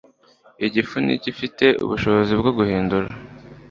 Igifu ntigifite ubushobozi bwo guhindura